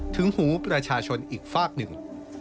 ถึงหูประชาชนอีกฝากหนึ่ง